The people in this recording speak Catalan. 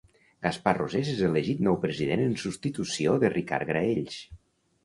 Gaspar Rosés és elegit nou president en substitució de Ricard Graells.